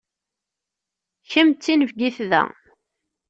Kemm d tinebgit da.